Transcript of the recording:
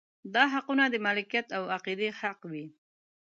دا حقونه د مالکیت او عقیدې حق وي.